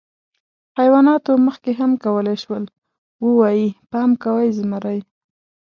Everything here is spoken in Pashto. حیواناتو مخکې هم کولی شول، ووایي: «پام کوئ، زمری!».